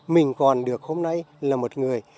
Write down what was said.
mình còn được hôm nay là một người